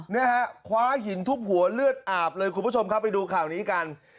นะฮะคว้าหินทุบหัวเลือดอาบเลยคุณผู้ชมครับไปดูข่าวนี้กัน